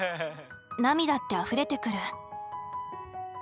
涙ってあふれてくる。